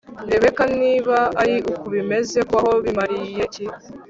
rebeka niba ari uku bimeze kubaho bimariye iki